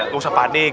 gak usah panik